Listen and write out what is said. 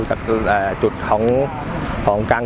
อาหาร